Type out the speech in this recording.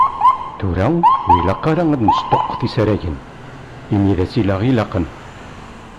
Tura, ur ilaq ara ad nesṭuqqut isaragen, imi d asileɣ i ilaqen.